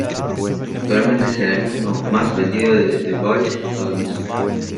Actualmente es el alumno más vendido de The Voice en todo el mundo.